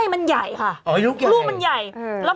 โอเคโอเคโอเค